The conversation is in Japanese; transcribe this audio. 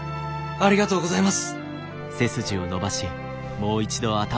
ありがとうございます。